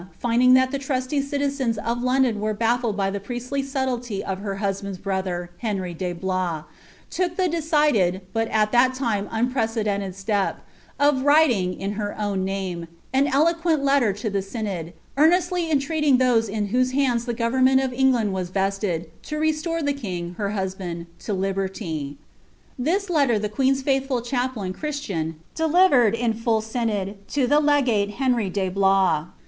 Ending that the trusty citizens of Ix>ndon were baffled by the priestly subtlety of her husband's brother, Henry de Itloif, took ihc decided, but at ifiai time unprecedenCed, step, of writing, in her owtt name, an eloquent letter to the synod, eamcstly entreating those in whose hands the government of Englaud was vested, to restore the Ling, her husband, to libeily. This letter the queen's faithful chaplain. Christian, delivered, in M synod, lo the legale Henry de Bloia.